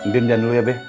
diam diam dulu ya be